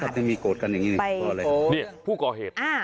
แบบนี้นะฮะทีมข่าวของเราก็มีโอกาสไปโกรธนี่ผู้ก่อเหตุ